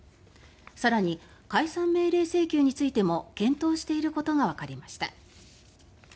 更に、解散命令請求についても検討していることがわかりました。